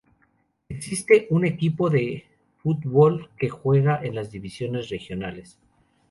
Existe un equipo de fútbol que juega en las divisiones regionales.